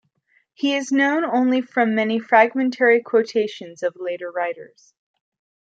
His work is known only from the many fragmentary quotations of later writers.